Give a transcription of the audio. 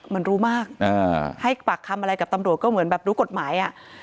มันรู้มากอะไรดูกฎหมาย